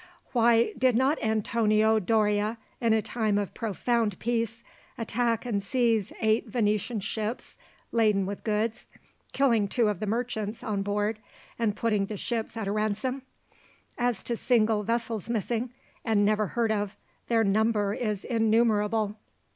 Why, did not Antonio Doria, in a time of profound peace, attack and seize eight Venetian ships laden with goods, killing two of the merchants on board, and putting the ships at a ransom? As to single vessels missing, and never heard of, their number is innumerable.